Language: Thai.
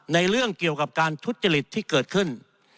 เรื่องเกี่ยวกับการทุจริตที่เกิดขึ้น